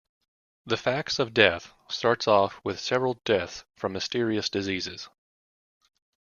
"The Facts of Death" starts off with several deaths from mysterious diseases.